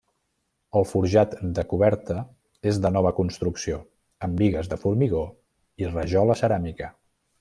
El forjat de coberta és de nova construcció, amb bigues de formigó i rajola ceràmica.